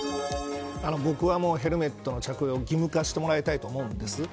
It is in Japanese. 僕は、ヘルメットの着用は義務化してもらいたいと思うんです。